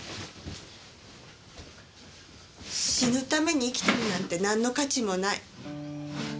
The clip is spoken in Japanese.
「死ぬために生きてるなんてなんの価値もない」。